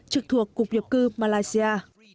trực thuộc cục nhập cư malaysia